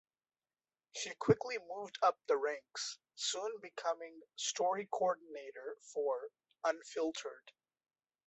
She quickly moved up the ranks, soon becoming story coordinator for "UnFiltered".